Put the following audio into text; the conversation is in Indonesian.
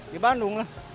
di bandung lah